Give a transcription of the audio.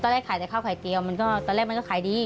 แรกขายแต่ข้าวไข่เตียวมันก็ตอนแรกมันก็ขายดี